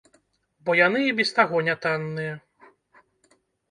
Бо яны і без таго нятанныя.